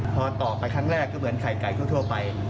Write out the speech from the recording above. พอตอกไปครั้งแรกก็เหมือนไข่ไก่ทั่วไป